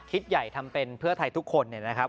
คิดใหญ่ทำเป็นเพื่อไทยทุกคนนะครับ